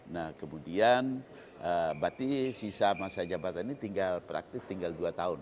nah kemudian bapak sumbawa barat sisa masa jabatan ini praktis tinggal dua tahun dua ribu dua puluh tiga dua ribu dua puluh empat